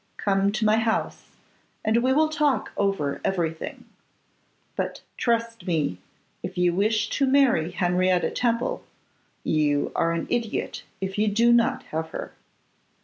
Come to my house, and we will talk over everything. But trust me, if you wish to marry Henrietta Temple, you are an idiot if you do not have her.